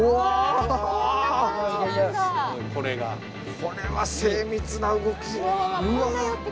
これは精密な動き。